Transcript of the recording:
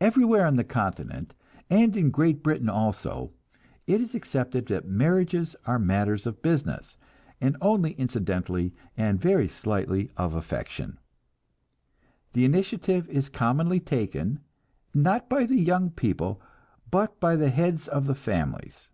Everywhere on the Continent, and in Great Britain also, it is accepted that marriages are matters of business, and only incidentally and very slightly of affection. The initiative is commonly taken, not by the young people, but by the heads of the families.